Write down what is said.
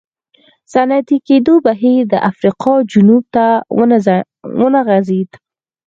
صنعتي کېدو بهیر د افریقا جنوب ته ونه غځېد.